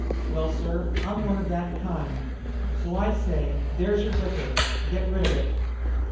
Well, sir, I'm one of that kind. So I say, there's your liquor. Get rid of it!"